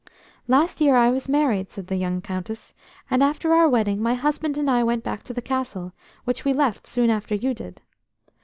"Last year I was married," said the young Countess, "and after our wedding my husband and I went back to the Castle, which we left soon after you did.